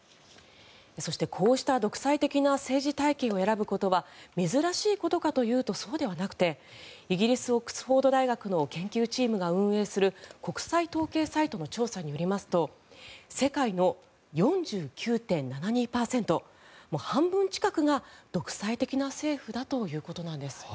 そしてこうした独裁的な政治体系を選ぶことは珍しいことかというとそうではなくてイギリスオックスフォード大学の研究チームが運営する国際統計サイトの調査によりますと世界の４９．７２％半分近くが独裁的な政府だということなんです。